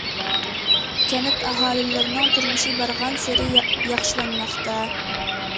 كەنت ئاھالىلىرىنىڭ تۇرمۇشى بارغانسېرى ياخشىلانماقتا.